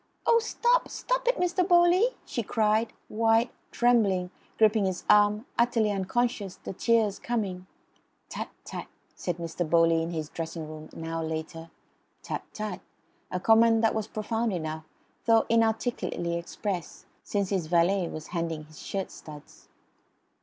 "Oh, stop! Stop it, Mr. Bowley!" she cried, white, trembling, gripping his arm, utterly unconscious, the tears coming. "Tut tut!" said Mr. Bowley in his dressing room an hour later. "Tut tut!" a comment that was profound enough, though inarticulately expressed, since his valet was handing his shirt studs.